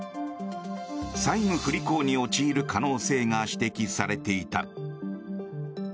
債務不履行に陥る可能性が指摘されていた。